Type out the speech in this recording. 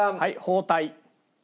包帯。